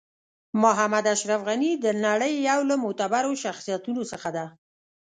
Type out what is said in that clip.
محمد اشرف غنی د نړۍ یو له معتبرو شخصیتونو څخه ده .